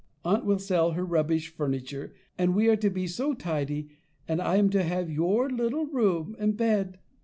Aunt will sell her rubbish furniture, and we are to be so tidy, and I am to have your little room and bed."